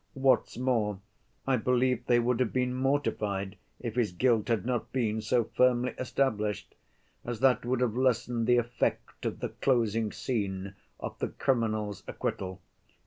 What's more, I believe they would have been mortified if his guilt had not been so firmly established, as that would have lessened the effect of the closing scene of the criminal's acquittal.